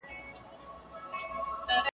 زه تر مور او پلار پر ټولو مهربان یم .